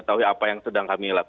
jadi begini ya